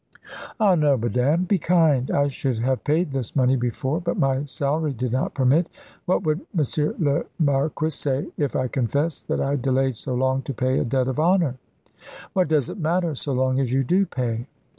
"Ah, no, madame; be kind. I should have paid this money before, but my salary did not permit. What would M. le Marquis say if I confessed that I delayed so long to pay a debt of honour?" "What does it matter, so long as you do pay?"